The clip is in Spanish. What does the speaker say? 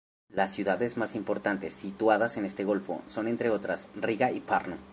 Las ciudades más importantes situadas en este golfo son, entre otras, Riga y Pärnu.